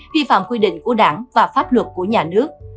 vi phạm quy định của đảng và pháp luật của nhà nước